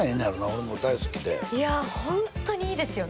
俺も大好きでいやホントにいいですよね